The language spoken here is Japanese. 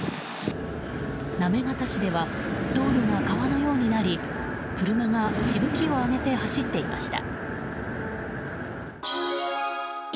行方市では道路が川のようになり車がしぶきを上げて走っていました。